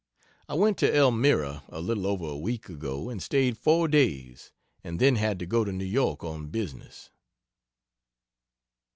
I went to Elmira a little over a week ago, and staid four days and then had to go to New York on business.